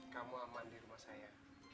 kamu aman di rumah saya